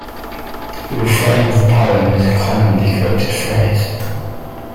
The refrain of the poem is a commonly quoted phrase.